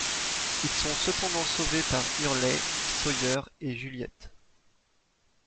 Ils sont cependant sauvés par Hurley, Sawyer et Juliet.